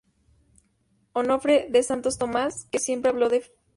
Onofre de Santo Tomás, que siempre habló de Fr.